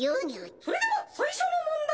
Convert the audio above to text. それでは最初の問題！